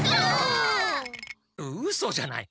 うそじゃない。